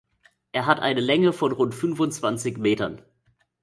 Er hat eine Länge von rund fünfundzwanzig Metern.